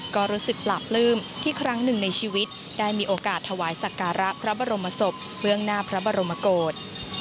ก็รู้สึกปลาปลื้มที่ครั้งหนึ่งในชีวิตได้มีโอกาสถวายสักการะพระบรมศพเบื้องหน้าพระบรมโกศ